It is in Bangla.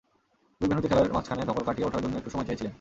দুই ভেন্যুতে খেলার মাঝখানে ধকল কাটিয়ে ওঠার জন্য একটু সময় চেয়েছিলেন।